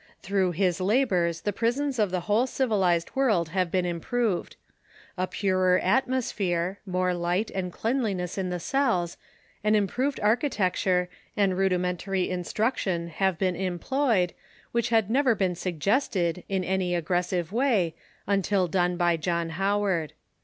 Through his labors the prisons of the whole civilized world have been improved. A purer atmos phere, more light and cleanliness in the cells, an improved ar chitecture, and rudimentary instruction have been employed, which had never been suggested, in any aggressive way, until done by John Howard.